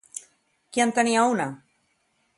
Qui en tenia una?